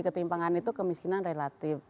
ketimpangan itu kemiskinan relatif